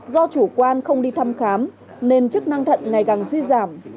do chủ quan không đi thăm khám nên chức năng thận ngày càng suy giảm